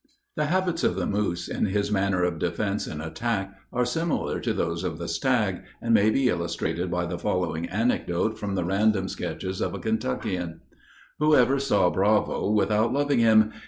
The habits of the moose, in his manner of defence and attack, are similar to those of the stag, and may be illustrated by the following anecdote from the "Random Sketches of a Kentuckian:" Who ever saw Bravo without loving him?